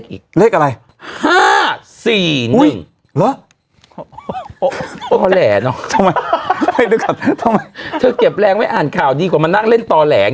อีกเลขอะไร๕๔๑แล้วทำไมเธอเก็บแรงไว้อ่านข่าวดีกว่ามานั่งเล่นต่อแหล่ง